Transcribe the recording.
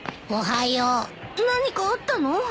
おはよう。何かあったの？